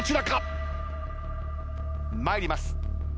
参ります。